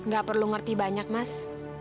gak perlu ngerti banyak mas